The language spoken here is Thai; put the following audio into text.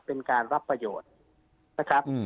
เป็นการรับประโยชน์